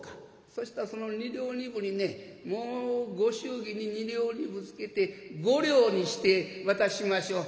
そしたらその２両２分にねもうご祝儀に２両２分つけて５両にして渡しましょう」。